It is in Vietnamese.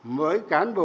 mỗi cán bộ đảng viên